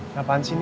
ngapain sih ini